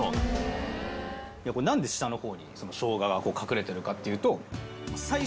何で下の方に生姜が隠れてるかっていうと。